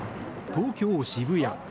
東京・渋谷。